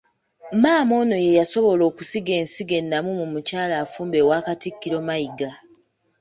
Maama ono ye yasobola okusiga ensigo ennamu mu mukyala afumba ewa Katikkiro Mayiga.